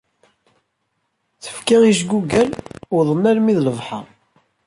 Tefka ijgugal, wwḍen armi d lebḥer.